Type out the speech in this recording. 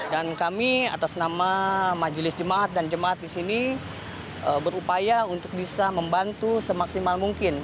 dan kami atas nama majelis jemaat dan jemaat di sini berupaya untuk bisa membantu semaksimal mungkin